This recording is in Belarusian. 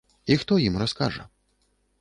І хто ім раскажа?